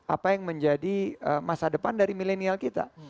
apa yang menjadi masa depan dari milenial kita